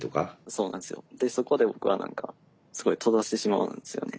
でそこで僕は何かすごい閉ざしてしまうんですよね。